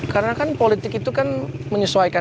karena kan politik itu kan menyesuaikan